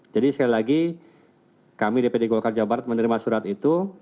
jadi sekali lagi kami dpp golkar jawa barat menerima surat itu